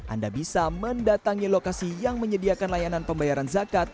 anda bisa mendatangi lokasi yang menyediakan layanan pembayaran zakat